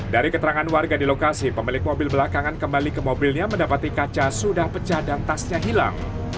dari keterangan warga di lokasi pemilik mobil belakangan kembali ke mobilnya mendapati kaca sudah pecah dan tasnya hilang